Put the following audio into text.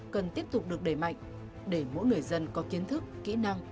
cần tiếp tục được đẩy mạnh để mỗi người dân có kiến thức kỹ năng